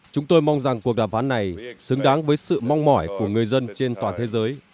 chúng tôi mong rằng cuộc đàm phán này xứng đáng với sự mong mỏi của người dân trên toàn thế giới